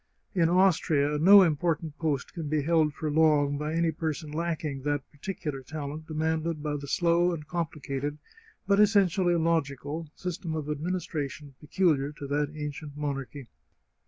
In Austria no important post can be held for long by any person lacking that particular talent demanded by the slow and complicated, but essentially logical, system of admin istration peculiar to that ancient monarchy.